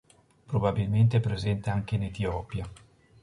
Probabilmente è presente anche in Etiopia.